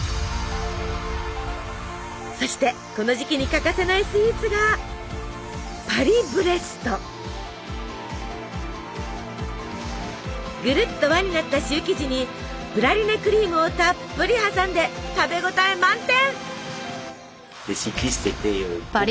そしてこの時期に欠かせないスイーツがぐるっと輪になったシュー生地にプラリネクリームをたっぷり挟んで食べ応え満点！